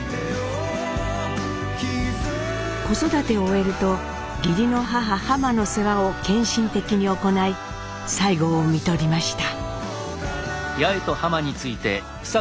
子育てを終えると義理の母ハマの世話を献身的に行い最期をみとりました。